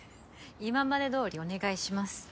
今までどおりお願いします。